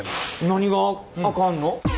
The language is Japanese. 何があかんの？